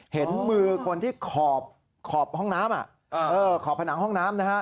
เห็นมือคนที่ขอบผนังห้องน้ำ